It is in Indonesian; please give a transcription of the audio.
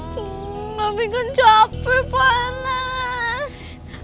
tapi kan capek panas